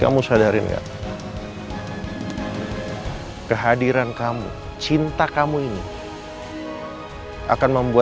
mengharapkan elsa cepat sembuh